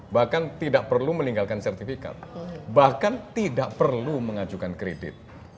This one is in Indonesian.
bahkan tidak perlu meninggalkan sertifikat bahkan tidak perlu mengajukan kredit